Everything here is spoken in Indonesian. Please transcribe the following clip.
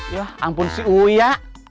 ya ampun si uya